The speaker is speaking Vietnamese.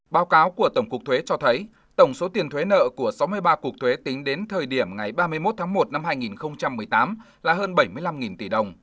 báo cáo của tổng cục thuế cho thấy tổng số tiền thuế nợ của sáu mươi ba cục thuế tính đến thời điểm ngày ba mươi một tháng một năm hai nghìn một mươi tám là hơn bảy mươi năm tỷ đồng